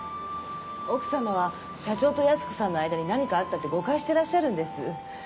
奥様は社長と泰子さんの間に何かあったって誤解してらっしゃるんです。